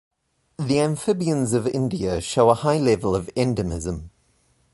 The amphibians of India show a high level of endemism.